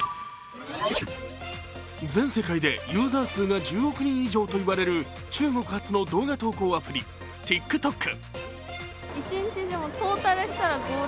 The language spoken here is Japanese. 全世界でユーザー数が１０億人以上といわれる中国発の動画投稿アプリＴｉｋＴｏｋ。